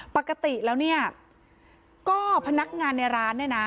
ปกติแล้วเนี่ยก็พนักงานในร้านเนี่ยนะ